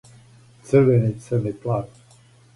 црвени црни плави